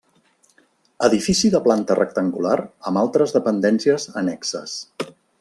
Edifici de planta rectangular amb altres dependències annexes.